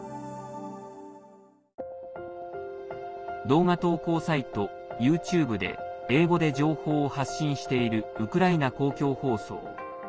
動画投稿サイトＹｏｕＴｕｂｅで英語で情報を発信しているウクライナ公共放送。